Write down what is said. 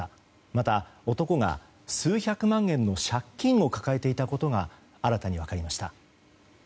また、男が数百万円の借金を抱えていたことが新たに分かりました。